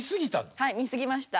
はい見過ぎました。